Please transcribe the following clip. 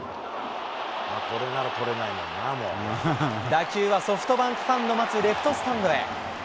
打球はソフトバンクファンの待つレフトスタンドへ。